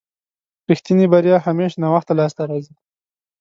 رښتينې بريا همېش ناوخته لاسته راځي.